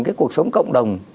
cái cuộc sống cộng đồng